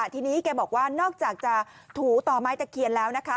ทีนี้แกบอกว่านอกจากจะถูต่อไม้ตะเคียนแล้วนะคะ